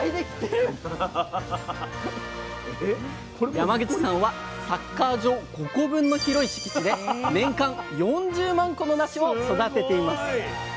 山口さんはサッカー場５個分の広い敷地で年間４０万個のなしを育てています。